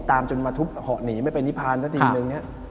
ตามจนมาทุบเหาะหนีไม่เป็นนิพานสักทีนึง